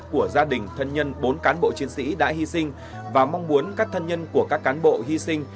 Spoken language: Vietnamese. của gia đình thân nhân bốn cán bộ chiến sĩ đã hy sinh và mong muốn các thân nhân của các cán bộ hy sinh